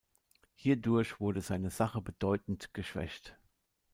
Hierdurch wurde seine Sache bedeutend geschwächt.